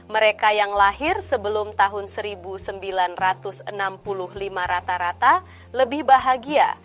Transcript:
mereka yang lahir sebelum tahun seribu sembilan ratus enam puluh lima rata rata lebih bahagia